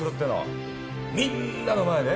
みんなの前で？